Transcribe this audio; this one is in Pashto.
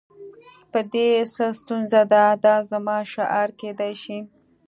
په دې کې څه ستونزه ده دا زموږ شعار کیدای شي